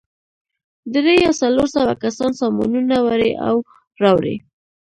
درې یا څلور سوه کسان سامانونه وړي او راوړي.